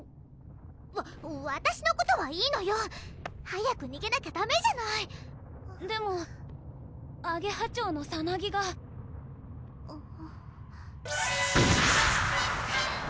わわたしのことはいいのよ早くにげなきゃダメじゃないでもアゲハチョウのさなぎがあっ！